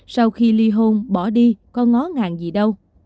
sau khi li hôn bỏ đi có ngó ngàng gì đâu